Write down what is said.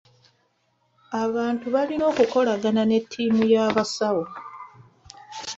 Abantu balina okukolagana ne ttiimu y'abasawo.